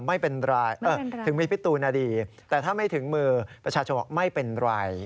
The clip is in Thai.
ไม่เป็นไรถึงมีพี่ตูนดีแต่ถ้าไม่ถึงมือประชาชนบอกไม่เป็นไร